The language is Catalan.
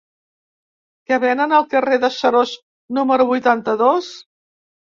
Què venen al carrer de Seròs número vuitanta-dos?